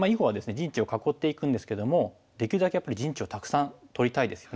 陣地を囲っていくんですけどもできるだけやっぱり陣地をたくさん取りたいですよね。